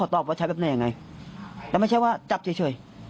แต่นังไม่ใช่ว่าจับเฉย